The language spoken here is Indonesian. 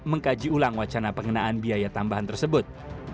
mengkaji ulang wacana pengenaan biaya tambahan tersebut